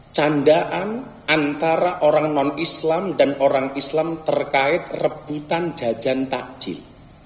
candaan antara orang non islam dan orang islam terkait rebutan jajan takjil